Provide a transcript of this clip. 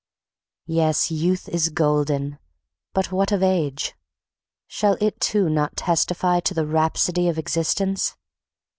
Yes, youth is golden, but what of age? Shall it too not testify to the rhapsody of existence?